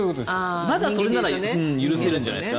まだそれなら許せるんじゃなくて。